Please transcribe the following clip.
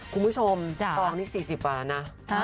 คุณผู้ชมตองนี้๔๐บาทแล้วนะ